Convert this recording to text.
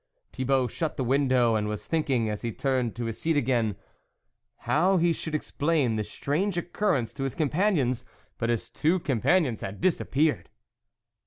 Thibault shut the window, and was thinking, as he turned to his seat again, how he should explain this strange occur rence to his companions ; but his two companions had disappeared.